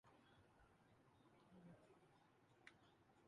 نے ہمت نہیں ہاری